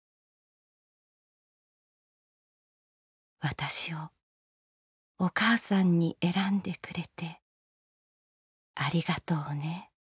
「私をお母さんに選んでくれてありがとうね」。